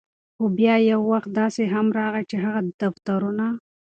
خو بیا یو وخت داسې هم راغے، چې هغه دفترونه